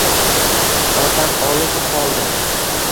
Otam olib qoldi